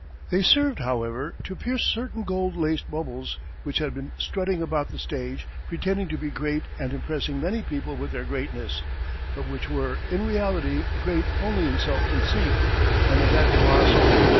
They served, however, to pierce certain gold laced bubbles which had been strutting about the stage pretending to be great and impressing many people with their greatness; but which were, in reality, great only in self conceit, and in that colossal!